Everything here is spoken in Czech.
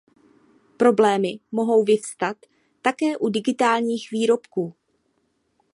Problémy mohou vyvstat také u digitálních výrobků.